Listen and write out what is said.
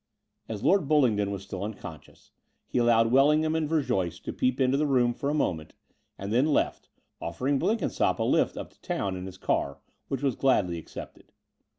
As Lord Bullingdon was still unconscious, he allowed Wellingham and Verjoyce to peep into the room for a moment, and then left, offering Blenkin sopp a lift up to town in his car, which was gladly accepted.